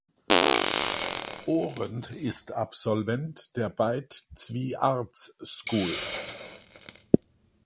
Oren ist Absolvent der Beit Zvi Arts School.